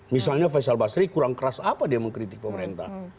misalnya faisal basri kurang keras apa dia mengkritik pemerintah